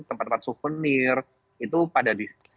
tempat tempat souvenir itu pada